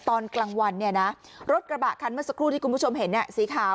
ตอนกลางวันเนี่ยนะรถกระบะคันเมื่อสักครู่ที่คุณผู้ชมเห็นเนี่ยสีขาว